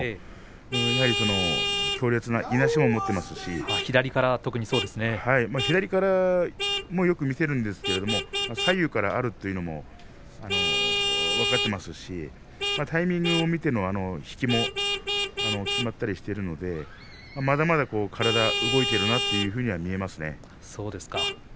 やはりその強烈ないなしを持っていますし左からもよく見せるんですが左右からあるというのも分かっていますしタイミングを見ての引きもきまったりしているのでまだまだ体は動いているなと見えますね。